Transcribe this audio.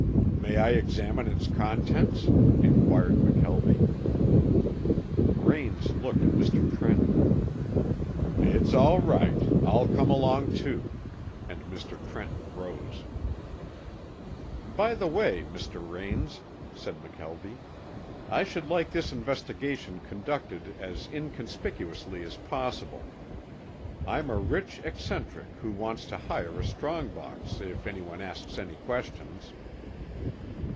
"May I examine its contents?" inquired McKelvie. Raines looked at Mr. Trenton. "It's all right. I'll come along, too," and Mr. Trenton rose. "By the way, Mr. Raines," said McKelvie, "I should like this investigation conducted as inconspicuously as possible. I'm a rich eccentric who wants to hire a strong box, if anyone asks any questions."